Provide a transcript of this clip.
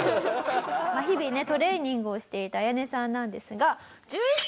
日々ねトレーニングをしていたアヤネさんなんですが。